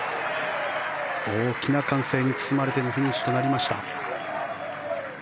大きな歓声に包まれてのフィニッシュとなりました。